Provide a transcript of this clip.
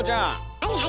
はいはい。